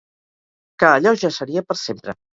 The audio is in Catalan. Que allò ja seria per sempre.